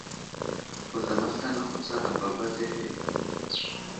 Wuzam aslane ahutsar baba azlehe.